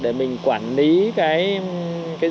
để mình quản lý cái dịch bệnh ở cái môi trường này